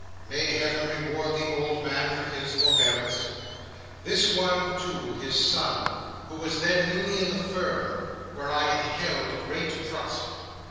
May Heaven reward the old man for his forbearance! This one, too, his son, who was then newly in the Firm, where I had held great trust!